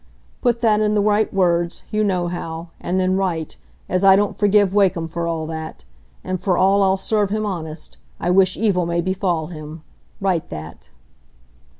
Put that i' the right words—you know how—and then write, as I don't forgive Wakem for all that; and for all I'll serve him honest, I wish evil may befall him. Write that."